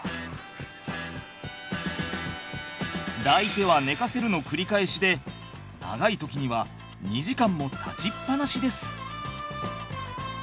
抱いては寝かせるの繰り返しで長い時には２時間も立ちっぱなしです。